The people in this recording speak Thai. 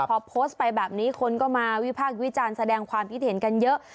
พอโพสต์ไปแบบนี้คนก็มาวิพากษ์วิจารณ์แสดงความคิดเห็นกันเยอะ